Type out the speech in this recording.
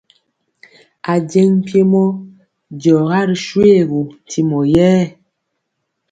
Ajeŋg mpiemɔ diɔga ri shoégu ntimɔ yɛɛ.